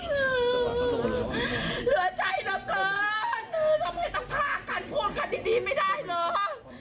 เหลือใจเราเจอทำไมต้องท่ากันพูดกันดีไม่ได้หรอก